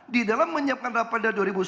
di dalam menyiapkan raperda dua ribu sebelas